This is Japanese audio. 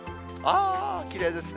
きれいですね。